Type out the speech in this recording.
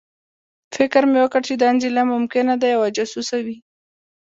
فکر مې وکړ چې دا نجلۍ ممکنه یوه جاسوسه وي